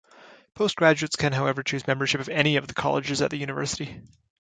Postgraduates can however choose membership of any of the colleges at the University.